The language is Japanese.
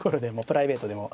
プライベートでも。